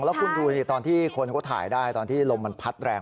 แล้วคุณดูตอนที่คนเขาถ่ายได้ตอนที่ลมมันพัดแรง